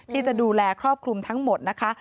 ที่จะดูแลครอบคลุมทั้งหมดนะคะ